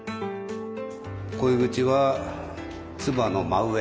鯉口は鐔の真上。